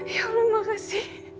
ya allah makasih